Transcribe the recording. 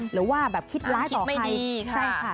หรือว่าแบบคิดร้ายต่อใคร